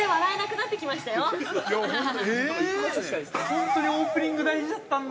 本当にオープニング大事だったんだ。